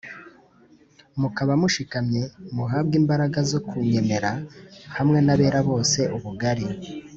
mukaba mushikamye, muhabwe imbaraga zo kumenyera hamwe n'abera bose ubugari,